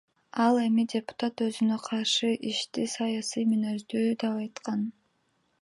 Ал эми депутат өзүнө каршы ишти саясий мүнөздүү деп айткан.